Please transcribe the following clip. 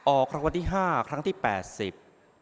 ออกคำวัติห้าครั้งที่แปดสิบ